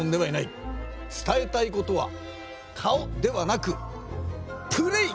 伝えたいことは顔ではなくプレー！